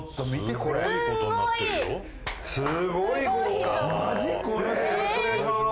これよろしくお願いします